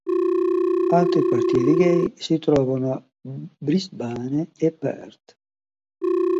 Altri quartieri gay si trovano a Brisbane e Perth.